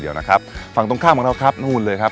เดี๋ยวนะครับฝั่งตรงข้ามของเราครับนู่นเลยครับ